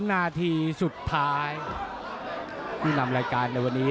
หรือว่าผู้สุดท้ายมีสิงคลอยวิทยาหมูสะพานใหม่